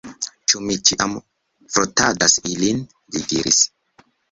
Ĉu mi ĉiam frotadas ilin? li diris.